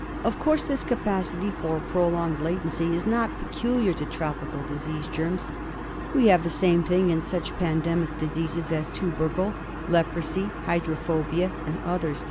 9 Of course this capacity for prolonged latency is not peculiar to tropical disease germs; we have the same thing in such pandemic diseases as turbercle, leprosy, hydrophobia and others.